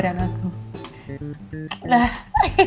sini sini gendian biar aku